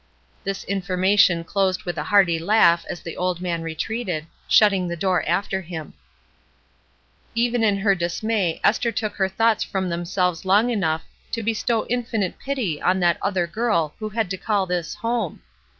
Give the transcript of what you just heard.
This information closed with a hearty laugh as the old man retreated, shutting the door after him. A '* CROSS" TRAIL 175 Even in her dismay Esther took her thoughts from themselves long enough to bestow infinite pity on that other girl who had to call this home!